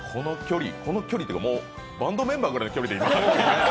この距離というか、もうバンドメンバーぐらいの距離ですね。